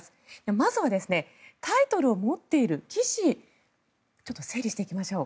まずはタイトルを持っている棋士ちょっと整理していきましょう。